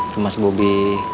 itu mas bubi